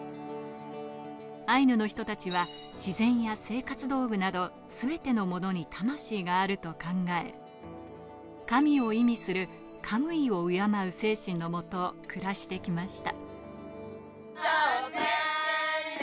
アイヌの人たちは自然や生活道具などすべてのものに魂があると考え、神を意味するカムイを敬う精神のもと暮らしてきました。